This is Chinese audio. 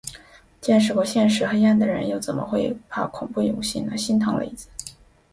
见识过现实黑暗的人，又怎么会怕恐怖游戏呢，心疼雷子